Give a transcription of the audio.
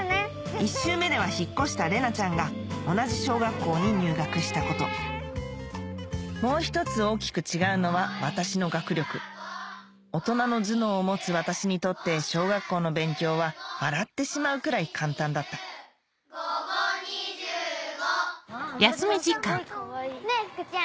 １周目では引っ越した玲奈ちゃんが同じ小学校に入学したこともう１つ大きく違うのは私の学力大人の頭脳を持つ私にとって小学校の勉強は笑ってしまうくらい簡単だった５×５＝２５ねぇ福ちゃん